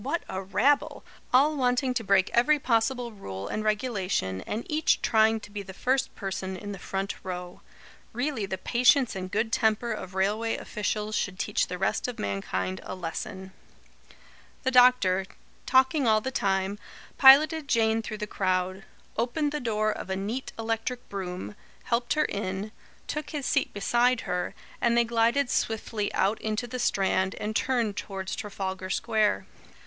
What a rabble! All wanting to break every possible rule and regulation, and each trying to be the first person in the front row. Really the patience and good temper of railway officials should teach the rest of mankind a lesson." The doctor, talking all the time, piloted Jane through the crowd; opened the door of a neat electric brougham, helped her in, took his seat beside her, and they glided swiftly out into the Strand, and turned towards Trafalgar Square.